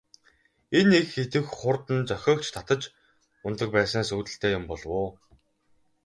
Энэ их идэвх хурд нь зохиогч татаж унадаг байснаас үүдэлтэй юм болов уу?